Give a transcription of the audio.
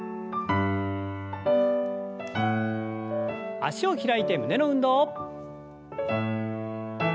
脚を開いて胸の運動。